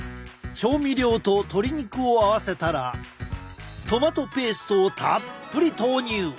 調味料と鶏肉を合わせたらトマトペーストをたっぷり投入！